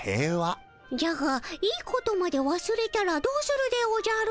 じゃがいいことまでわすれたらどうするでおじゃる？